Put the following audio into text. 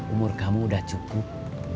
umur kamu udah cukup